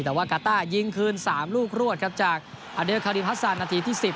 แต่ว่ากาต้ายิงคืน๓ลูกรวดครับจากอเดลคาริพัสซานนาทีที่๑๐